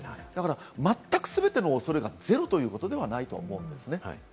まったく全ての恐れがゼロということではないと思うんですね。